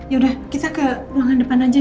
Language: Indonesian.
ya udah kita ke ruangan depan aja ya